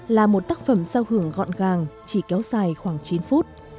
là một tác phẩm giao hưởng gọn gàng chỉ kéo dài khoảng chín phút